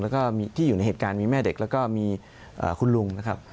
แล้วก็ที่อยู่ในเหตุการณ์มีแม่เด็กแล้วก็มีคุณลุงนะครับ